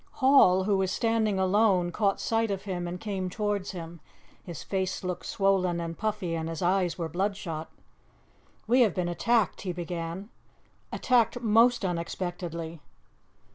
Hall, who was standing alone, caught sight of him and came towards him; his face looked swollen and puffy, and his eyes were bloodshot. "We have been attacked," he began "attacked most unexpectedly!"